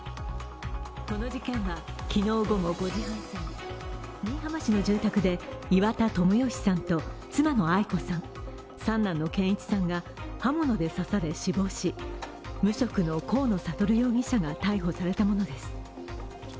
この事件は昨日午後５時半すぎ、新居浜市の住宅で岩田友義さんと妻のアイ子さん三男の健一さんが刃物で刺され死亡し無職の河野智容疑者が逮捕されたものです。